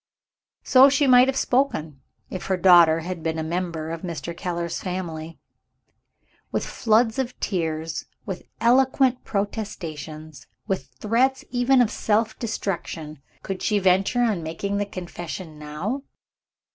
So she might have spoken, if her daughter had been a member of Mr. Keller's family. With floods of tears, with eloquent protestations, with threats even of self destruction, could she venture on making the confession now?